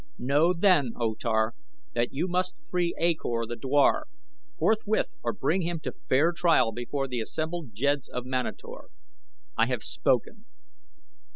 Know, then, O Tar, that you must free A Kor, the dwar, forthwith or bring him to fair trial before the assembled jeds of Manator. I have spoken."